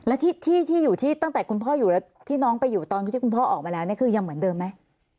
แล้วที่ที่อยู่ที่ตั้งแต่คุณพ่ออยู่แล้วที่น้องไปอยู่ตอนที่คุณพ่อออกมาแล้วเนี่ยคือยังเหมือนเดิมไหม